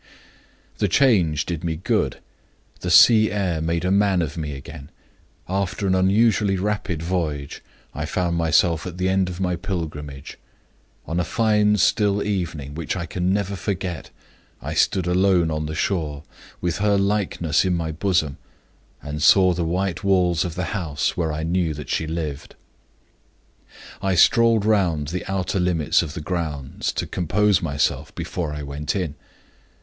"The change did me good; the sea air made a man of me again. After an unusually rapid voyage, I found myself at the end of my pilgrimage. On a fine, still evening which I can never forget, I stood alone on the shore, with her likeness in my bosom, and saw the white walls of the house where I knew that she lived. "I strolled round the outer limits of the grounds to compose myself before I went in.